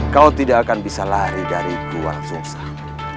kau tidak akan bisa lari dari gua orang sungsang